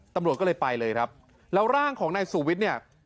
ตำรวจก็เลยไปเลยครับแล้วร่างของนายสุวิส